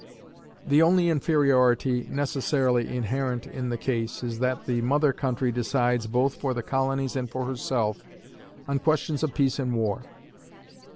The only inferiority necessarily inherent in the case is that the mother country decides, both for the colonies and for herself, on questions of peace and war.